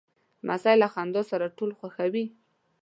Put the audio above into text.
لمسی له خندا سره ټول خوښوي.